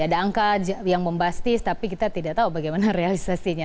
ada angka yang membastis tapi kita tidak tahu bagaimana realisasinya